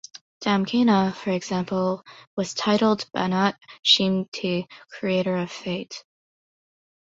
Damkina, for example, was titled "banat shimti", "creator of fate".